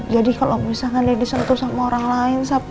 jadi kalau misalkan dia disentuh sama orang lain